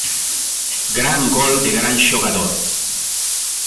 Gran gol de gran xogador.